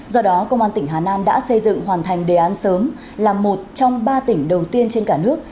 do đó công an tỉnh hà nam đã xây dựng hoàn thành đề án sớm là một trong ba tỉnh đầu tiên trên cả nước